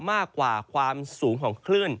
มากกว่าความสูงของคลื่น